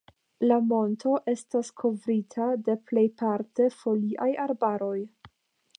La monto estas kovrita de plejparte foliaj arbaroj.